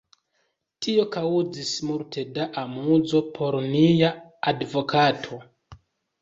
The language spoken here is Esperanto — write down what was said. Tio kaŭzis multe da amuzo por nia advokato!